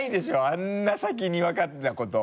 あんな先に分かってたこと。